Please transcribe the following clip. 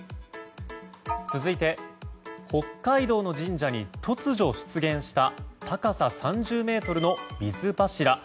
続いて、北海道の神社に突如出現した高さ３０ｍの水柱。